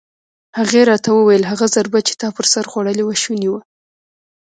هغې راته وویل: هغه ضربه چې تا پر سر خوړلې وه شونې وه.